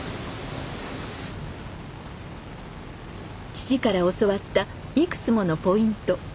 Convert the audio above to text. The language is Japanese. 父から教わったいくつものポイント。